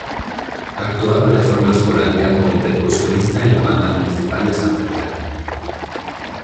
Actuaba de forma esporádica como percusionista en la Banda Municipal de Santa Clara.